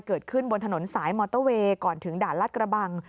เกิดขึ้นบนถนนสายมอเตอร์เวย์ก่อนถึงด่านลัดกระบัง